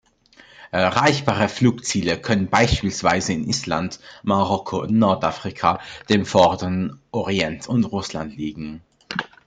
Erreichbare Flugziele können beispielsweise in Island, Marokko, Nordafrika, dem vorderen Orient und Russland liegen.